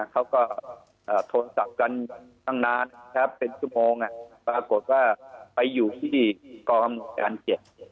เขาก็โทรศัพท์กันตั้งนานเป็นชั่วโมงปรากฏว่าไปอยู่ที่กองการ๗